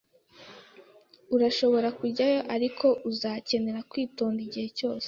Urashobora kujyayo, ariko uzakenera kwitonda igihe cyose.